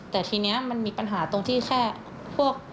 แต่ทีนี้มันมีปัญหาตรงที่แค่พวก